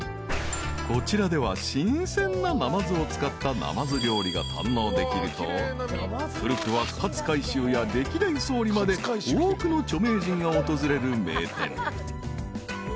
［こちらでは新鮮ななまずを使ったなまず料理が堪能できると古くは勝海舟や歴代総理まで多くの著名人が訪れる名店］